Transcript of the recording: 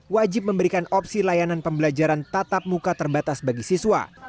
wajib memberikan opsi layanan pembelajaran tatap muka terbatas bagi siswa